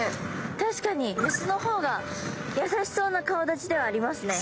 確かにメスの方が優しそうな顔だちではありますね。